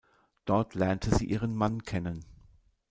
Dort lernte sie ihren Mann kennen.